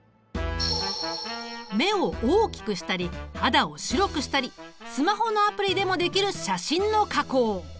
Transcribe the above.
目を大きくしたり肌を白くしたりスマホのアプリでもできる写真の加工。